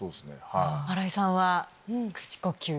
新井さんは口呼吸。